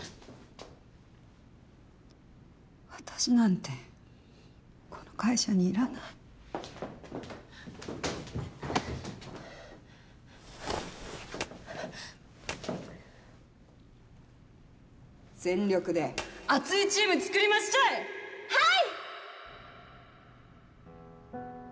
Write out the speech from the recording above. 私なんてこの会社にいらない全力で熱いチーム作りはい！